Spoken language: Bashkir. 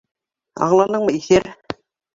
Аңланыңмы, иҫәр?